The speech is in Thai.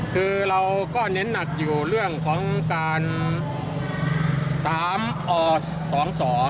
คือเราก็เน้นหนักอยู่เรื่องของการ๓อ๒สอ